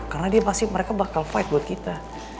karena dia pasti mereka bakal fight buat kita